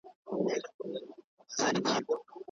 هم غړومبی دی له اسمانه هم له مځکي